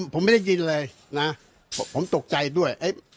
ผมตกใจด้วย